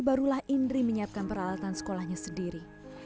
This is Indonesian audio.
barulah indri menyiapkan peralatan sekolahnya sendiri